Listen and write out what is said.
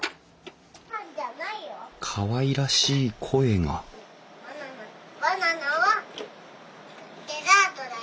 かわいらしい声がバナナはデザートだよ。